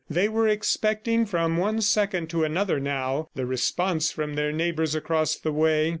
They were expecting from one second to another now, the response from their neighbors across the way.